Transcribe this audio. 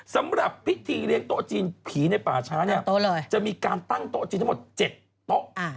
สำหรับพิธีเลี้ยงโต๊ะจีนผีในป่าช้าเนี่ยจะมีการตั้งโต๊ะจีนทั้งหมด๗โต๊ะ